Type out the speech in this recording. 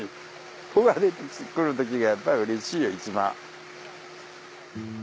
穂が出て来る時がやっぱりうれしいよ一番。